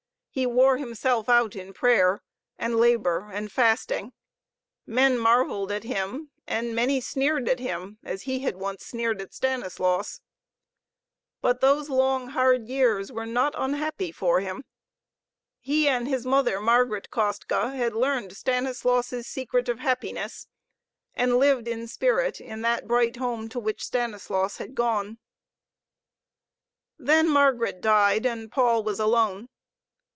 He wore himself out in prayer and labor and fasting. Men marveled at him, and many sneered at him, as he had once sneered at Stanislaus. But those long, hard years were not unhappy for him. He and his mother, Margaret Kostka, had learned Stanislaus' secret of happiness, and lived in spirit in that bright home to which Stanislaus had gone. Then Margaret died, and Paul was alone.